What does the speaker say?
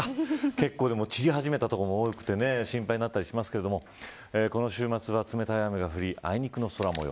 結構、散り始めた所も多くて心配になったりしますがこの週末は冷たい雨が降りあいにくの空模様。